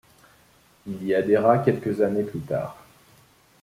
Il y adhérera quelques années plus tard.